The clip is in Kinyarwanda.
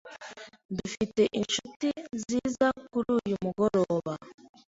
Dufite inshuti ziza kuri uyu mugoroba.